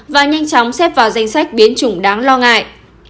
và nhanh chóng xếp vào danh sách biến chủng đáng lo ngại